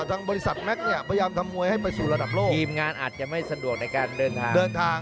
ทางบริษัทแม็กซ์เนี่ยพยายามทำมวยให้ไปสู่ระดับโลกทีมงานอาจจะไม่สะดวกในการเดินทางเดินทาง